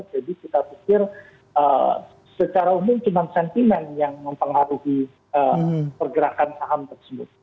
jadi kita pikir secara umum cuma sentimen yang mempengaruhi pergerakan saham tersebut